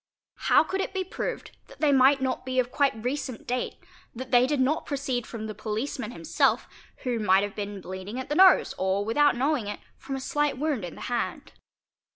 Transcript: How could it be proved that they might not be of quite recent date, that they did not proceed from the poiceman himself, who _ might have been bleeding at the nose or, without knowing it, from a slight wound in the hand.